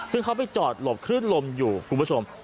ซึ่งเขาไปจอดหลบคลื่นลมอยู่คุณผู้ชม